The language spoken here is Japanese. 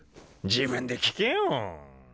自分で聞けよ。